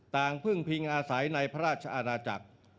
พึ่งพิงอาศัยในพระราชอาณาจักร